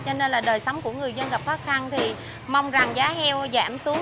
cho nên là đời sống của người dân gặp khó khăn thì mong rằng giá heo giảm xuống